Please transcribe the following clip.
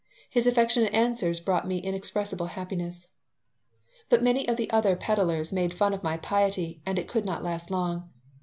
His affectionate answers brought me inexpressible happiness But many of the other peddlers made fun of my piety and it could not last long.